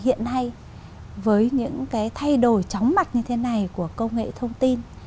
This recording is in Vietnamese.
hiện nay với những cái thay đổi chóng mặt như thế này của công nghệ thông tin